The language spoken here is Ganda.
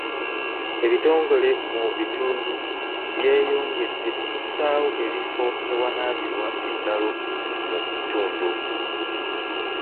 Ebitongole mu bitundu byeyongedde okussaawo ebifo ewanaabirwa engalo mu kitundu.